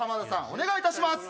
お願いいたします！